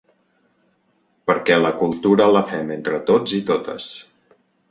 Per què la cultura la fem entre tots i totes.